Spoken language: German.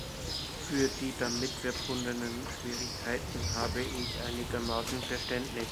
Für die damit verbundenen Schwierigkeiten habe ich einigermaßen Verständnis.